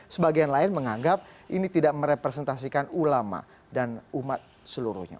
sebagian lain menganggap ini tidak merepresentasikan ulama dan umat seluruhnya